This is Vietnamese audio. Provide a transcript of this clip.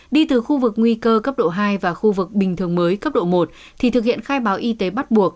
đi từ khu vực nguy cơ cấp độ hai và khu vực bình thường mới cấp độ một thì thực hiện khai báo y tế bắt buộc